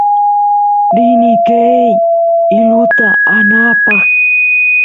rini qeey iluta aanapaq